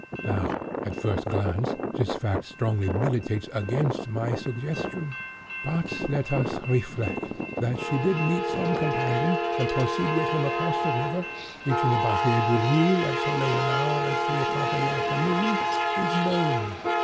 Now, at first glance, this fact strongly militates against my suggestion;—but let us reflect. That she did meet some companion, and proceed with him across the river, reaching the Barrière du Roule at so late an hour as three o'clock in the afternoon, is known.